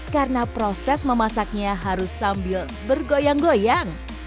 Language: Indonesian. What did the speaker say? karena proses memasaknya harus sambil bergoyang goyang